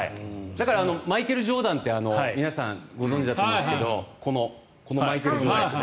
だからマイケル・ジョーダンって皆さんご存じだと思いますけどこのマイケル・ジョーダン。